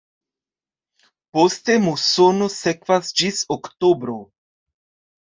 Poste musono sekvas ĝis oktobro.